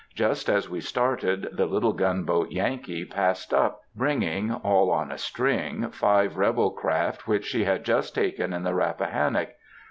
Just as we started, the little gunboat Yankee passed up, bringing, all on a string, five rebel craft which she had just taken in the Rappahannock.